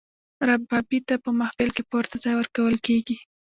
ربابي ته په محفل کې پورته ځای ورکول کیږي.